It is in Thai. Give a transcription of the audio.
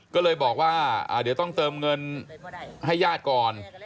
ก็เลยบอกว่าเดี๋ยวต้องเติมเงินให้ญาติก่อน